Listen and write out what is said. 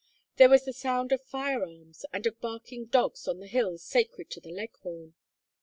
There was the sound of fire arms and of barking dogs on the hills sacred to the Leghorn.